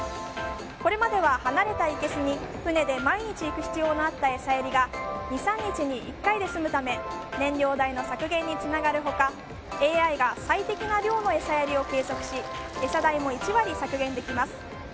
これまでは離れたいけすに船で毎日行く必要のあった餌やりが２３日に１回で済むため燃料代の削減につながる他ＡＩが最適な量の餌やりを計測し餌代も１割削減できます。